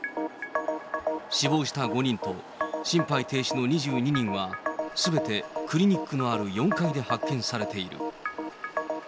死亡した５人と心肺停止の２２人は、すべてクリニックのある４階で発見されている。